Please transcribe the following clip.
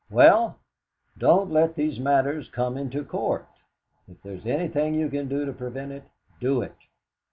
"Well; don't let these matters come into court. If there is anything you can do to prevent it, do it.